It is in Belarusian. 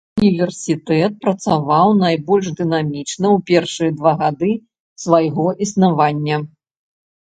Універсітэт працаваў найбольш дынамічна ў першыя два гады свайго існавання.